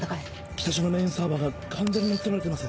北署のメインサーバーが完全に乗っ取られています。